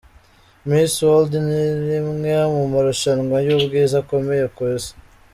Miss World, ni rimwe mu marushanwa y’ubwiza akomeye ku isi.